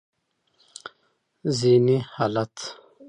ذهني حالت: